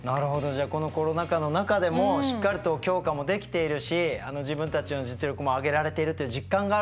じゃあこのコロナ禍の中でもしっかりと強化もできているし自分たちの実力も上げられてるという実感があるということなんですね。